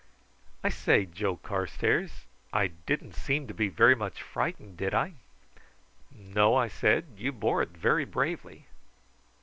"I say, Joe Carstairs, I didn't seem to be very much frightened, did I?" "No," I said. "You bore it very bravely."